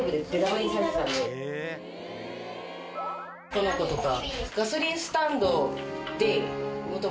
この子とか。